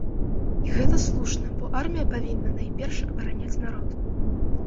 І гэта слушна, бо армія павінна, найперш, абараняць народ.